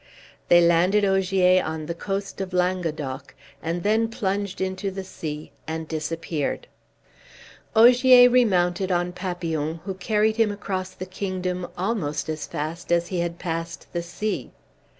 They landed Ogier on the coast of Languedoc, and then plunged into the sea and disappeared. Ogier remounted on Papillon, who carried him across the kingdom almost as fast as he had passed the sea.